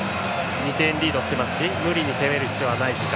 ２点リードしてますし無理に攻める必要はない時間。